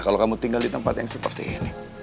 kalau kamu tinggal di tempat yang seperti ini